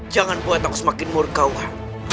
jangan buat aku semakin murka wak